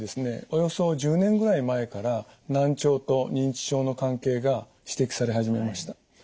およそ１０年ぐらい前から難聴と認知症の関係が指摘され始めました。